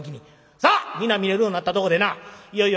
さあ皆見れるようになったとこでないよいよ